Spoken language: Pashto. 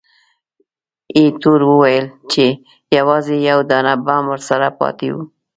ایټور وویل چې، یوازې یو دانه بم ورسره پاتې وو.